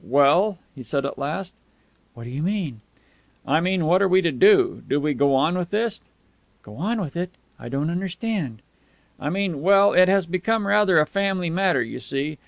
"Well?" he said at last. "What do you mean?" "I mean, what are we to do? Do we go on with this?" "Go on with it? I don't understand." "I mean well, it has become rather a family matter, you see.